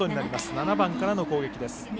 ７番からの攻撃です。